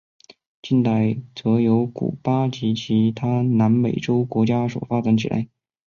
近代则由古巴及其他南美洲国家所发展起来。